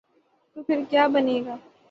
تو پھر کیابنے گا؟